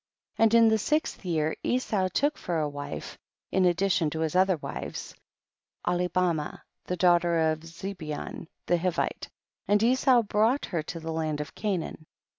24. And in the sixth year Esau took for a wife, in addition to his other wives, Ahlibaraah, the daughter of Zebeon the Hivite, and Esau brought her to the land of Canaan.